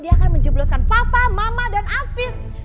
dia akan menjebloskan papa mama dan afif